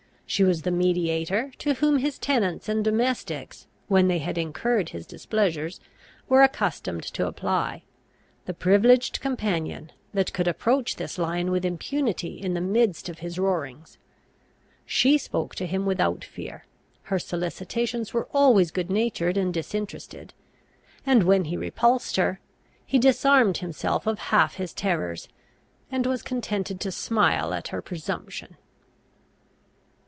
She was the mediator to whom his tenants and domestics, when they had incurred his displeasure, were accustomed to apply; the privileged companion, that could approach this lion with impunity in the midst of his roarings. She spoke to him without fear; her solicitations were always good natured and disinterested; and when he repulsed her, he disarmed himself of half his terrors, and was contented to smile at her presumption.